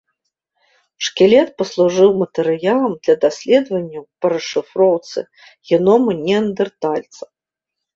Шкілет паслужыў матэрыялам для даследаванняў па расшыфроўцы геному неандэртальца.